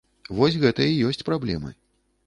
Вось гэта і ёсць праблемы.